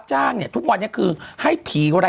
สุริยาจันทราทองเป็นหนังกลางแปลงในบริษัทอะไรนะครับ